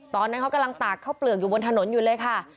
ตอนนั้นเขากำลังตากข้าวเปลือกอยู่บนถนนอยู่เลยค่ะ